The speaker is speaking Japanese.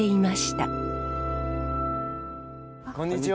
こんにちは。